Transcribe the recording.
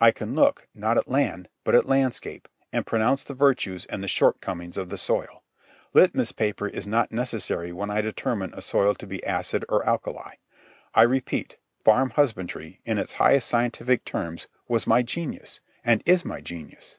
I can look, not at land, but at landscape, and pronounce the virtues and the shortcomings of the soil. Litmus paper is not necessary when I determine a soil to be acid or alkali. I repeat, farm husbandry, in its highest scientific terms, was my genius, and is my genius.